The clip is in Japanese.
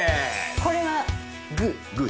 これはグー。